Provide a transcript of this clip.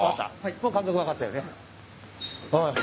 もう感覚わかったよね？